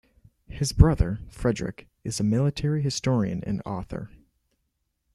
His brother, Frederick, is a military historian and author.